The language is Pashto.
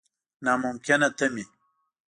نا ممکنه تمې.